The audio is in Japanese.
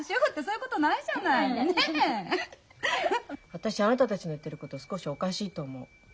私あなたたちの言ってること少しおかしいと思う。